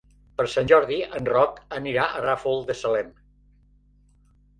Per Sant Jordi en Roc anirà al Ràfol de Salem.